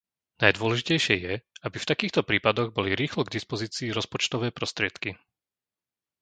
Najdôležitejšie je, aby v takýchto prípadoch boli rýchlo k dispozícii rozpočtové prostriedky.